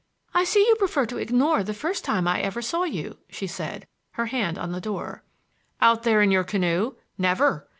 "I see you prefer to ignore the first time I ever saw you," she said, her hand on the door. "Out there in your canoe? Never!